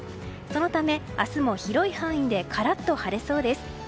そのため、明日も広い範囲でカラッと晴れそうです。